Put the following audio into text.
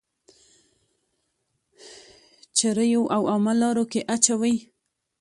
چريو او عامه لارو کي اچوئ.